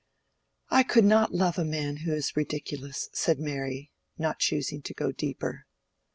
"I could not love a man who is ridiculous," said Mary, not choosing to go deeper.